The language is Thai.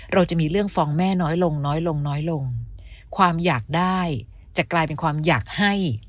เราจะมีเรื่องฟ้องแม่น้อยลงน้อยลงน้อยลงความอยากได้จะกลายเป็นความอยากให้